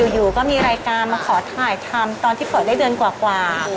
อยู่ก็มีรายการมาขอถ่ายทำตอนที่เปิดได้เดือนกว่า